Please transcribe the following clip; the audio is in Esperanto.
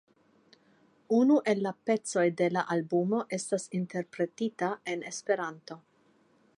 Unu el la pecoj de la albumo estas interpretita en Esperanto.